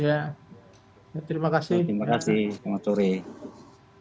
ya terima kasih